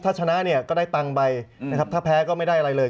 ถ้าชนะเนี่ยก็ได้ตังค์ไปนะครับถ้าแพ้ก็ไม่ได้อะไรเลย